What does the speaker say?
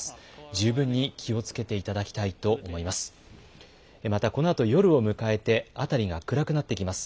十分に気をつけていただきたいと思います。